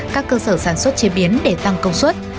các cơ sở sản xuất chế biến để tăng công suất